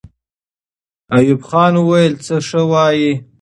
ایوب خان وویل چې ښه وایئ.